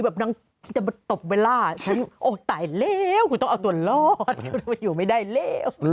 แบบนางจะมาตบเบลล่าฉันโอ้ตายแล้วต้องเอาตัวลอดไม่ได้แล้ว